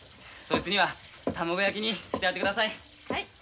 そいつには卵焼きにしてやってください。